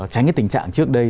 tránh cái tình trạng trước đây